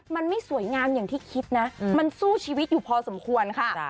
มันไม่สวยงามอย่างที่คิดนะมันสู้ชีวิตอยู่พอสมควรค่ะ